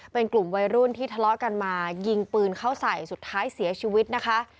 เป็นกลุ่มวัยรุ่นที่ทะเลาะกันมายิงปืนเข้าใส่สุดท้ายเสียชีวิตนะคะ